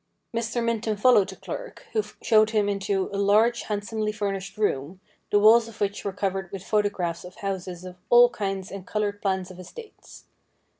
Mr. Minton followed the clerk, who showed him into a large, handsomely furnished room, the walls of which were covered with photographs of houses of all kinds and coloured plans of estates.